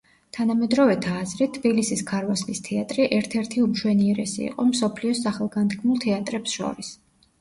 თანამედროვეთა აზრით, თბილისის ქარვასლის თეატრი ერთ-ერთი უმშვენიერესი იყო მსოფლიოს სახელგანთქმულ თეატრებს შორის.